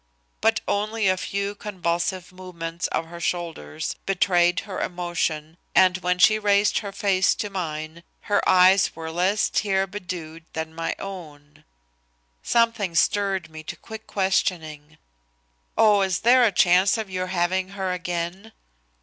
But only a few convulsive movements of her shoulders betrayed her emotion and when she raised her face to mine her eyes were less tear bedewed than my own. Something stirred me to quick questioning. "Oh, is there a chance of your having her again?"